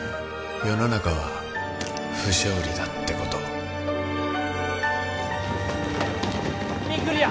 世の中は不条理だってことを右クリア！